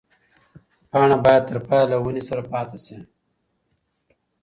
پاڼه باید تر پایه له ونې سره پاتې شي.